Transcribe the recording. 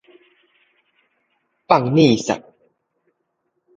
放 nih 捒